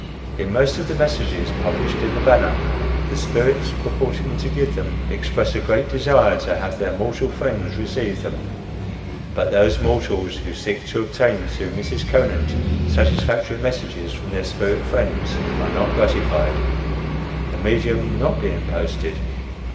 In most of the "messages" published in the Banner, the spirits purporting to give them, express a great desire to have their mortal friends receive them; but those mortals who seek to obtain through Mrs. Conant satisfactory messages from their spirit friends, are not gratified the medium not being posted.